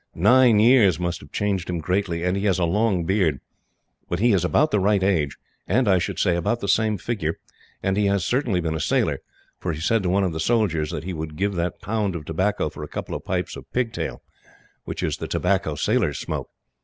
Nine years must have changed him greatly, and he has a long beard. But he is about the right age, and, I should say, about the same figure; and he has certainly been a sailor, for he said, to one of the soldiers, that he would give that pound of tobacco for a couple of pipes of pigtail, which is the tobacco sailors smoke.